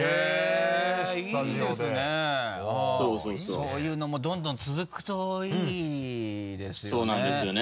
そういうのもどんどん続くといいですよね。